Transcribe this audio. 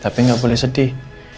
tapi gak boleh sedih